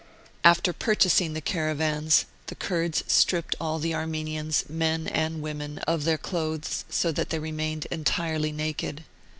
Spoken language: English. After purchasing the caravans, the Kurds stripped all the Armenians, men and women, of their clothes, so that they remained entirely naked.